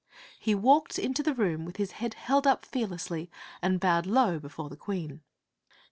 He walked into the room with his head held up fear lessly, and bowed low before the Queen.